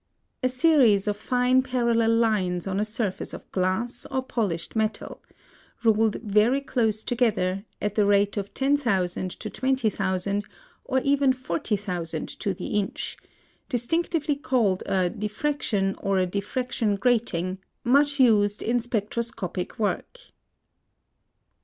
A series of fine parallel lines on a surface of glass, or polished metal, ruled very close together, at the rate of 10,000 to 20,000 or even 40,000 to the inch; distinctively called a diffraction or a diffraction grating, much used in spectroscopic work.